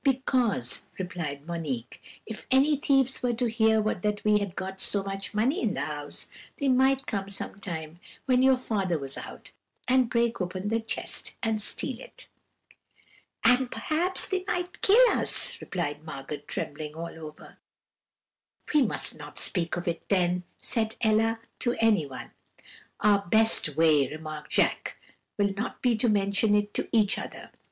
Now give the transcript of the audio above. "'Because,' replied Monique, 'if any thieves were to hear that we had got so much money in the house, they might come some time when your father was out, and break open the chest and steal it.' "'And perhaps they might kill us,' replied Margot, trembling all over. "'We must not speak of it, then,' said Ella, 'to anyone.' "'Our best way,' remarked Jacques, 'will be not to mention it to each other.